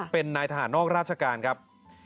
เป็นนายทหารนอกราชการครับ